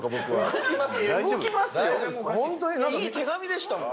いい手紙でしたもん。